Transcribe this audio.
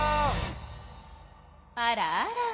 あらあら。